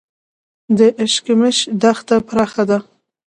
د اشکمش دښته پراخه ده